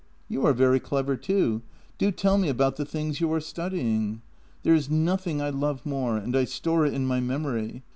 You are very clever too; do tell me about the things you are studying. There is nothing I love more, and I store it in my memory.